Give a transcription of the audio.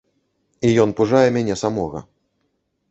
І ён пужае мяне самога.